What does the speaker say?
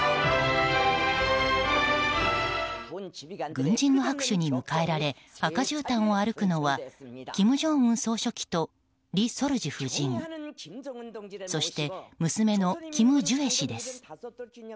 軍人の拍手に迎えられ赤じゅうたんを歩くのは金正恩総書記とリ・ソルジュ夫人そして娘のキム・ジュエ氏です。